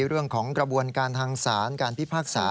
เรื่องของการทางศาลการพิพากษา